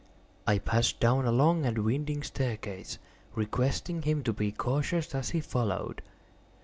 I passed down a long and winding staircase, requesting him to be cautious as he followed.